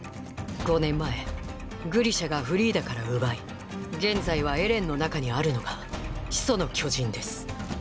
５年前グリシャがフリーダから奪い現在はエレンの中にあるのが「始祖の巨人」です。